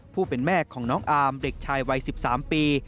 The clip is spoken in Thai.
ผู้เป็นแม่ของน้องอามเด็กชายวัย๑๓ปี